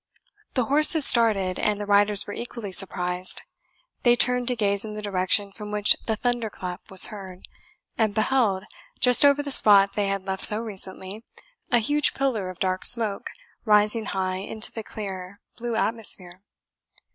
The horses started, and the riders were equally surprised. They turned to gaze in the direction from which the thunder clap was heard, and beheld, just over the spot they had left so recently, a huge pillar of dark smoke rising high into the clear, blue atmosphere.